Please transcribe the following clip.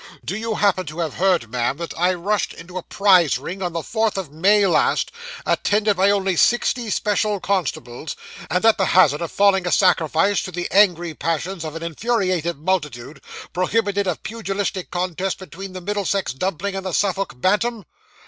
Do you happen to have heard, ma'am, that I rushed into a prize ring on the fourth of May last, attended by only sixty special constables; and, at the hazard of falling a sacrifice to the angry passions of an infuriated multitude, prohibited a pugilistic contest between the Middlesex Dumpling and the Suffolk Bantam?